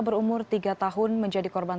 berumur tiga tahun menjadi korban